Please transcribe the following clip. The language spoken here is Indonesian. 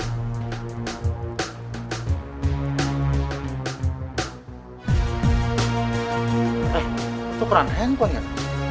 eh itu peran handphone gak